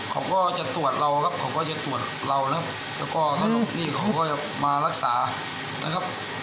เขาก็จะตรวจเราครับเขาก็จะตรวจเรานะครับแล้วก็ถ้าลูกหนี้เขาก็จะมารักษานะครับ